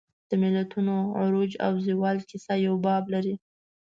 د ملتونو د عروج او زوال کیسه یو باب لري.